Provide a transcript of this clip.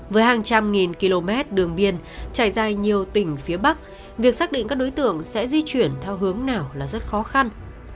với hàng trăm nghìn km đường biên trải dài nhiều tỉnh phía bắc việc xác định các đối tượng sẽ di chuyển theo hướng nào là rất khó khăn